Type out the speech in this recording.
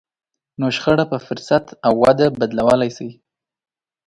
نو شخړه په فرصت او وده بدلولای شئ.